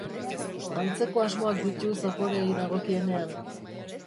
Antzeko asmoak ditu zaporeei dagokienean.